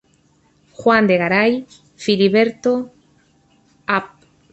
Juan de Garay, Filiberto, Av.